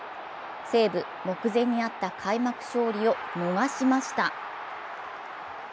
西武、目前にあった開幕勝利を逃しました。